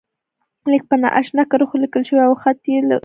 لیک په نا آشنا کرښو لیکل شوی و او خط یې و نه پېژانده.